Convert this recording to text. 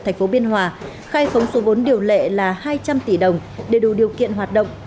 thành phố biên hòa khai khống số vốn điều lệ là hai trăm linh tỷ đồng để đủ điều kiện hoạt động